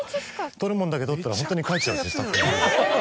撮るもんだけ撮ったらホントに帰っちゃうしスタッフ。